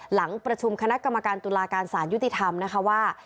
หลังประชุมคณะกรรมการตุลาการสารยุติธรรมนะคะว่า